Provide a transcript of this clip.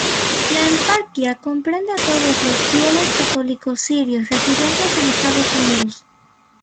La eparquía comprende a todos los fieles católicos sirios residentes en Estados Unidos.